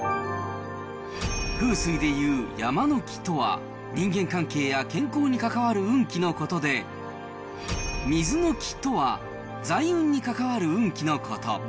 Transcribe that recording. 風水でいう山の気とは、人間関係や健康にかかわる運気のことで、水の気とは、財運に関わる運気のこと。